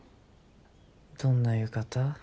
どんな浴衣？